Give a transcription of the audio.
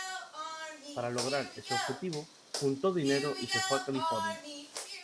Para lograr ese objetivo juntó dinero y se fue a California.